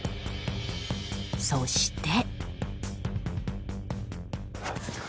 そして。